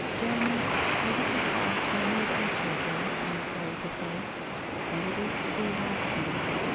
Jeremy, you have described my mood accurately, I am sorry to say, and it is to be lasting.